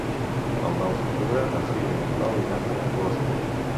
El nou d'octubre na Frida i en Pau iran a Gósol.